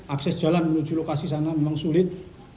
akses jalan menuju lokasi sana memang sulit